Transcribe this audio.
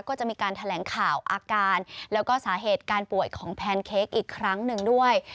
ก็จะมีการแถลงข่าวอาการแล้วก็สาเหตุการป่วยของแพนเค้กอีกครั้งหนึ่งด้วย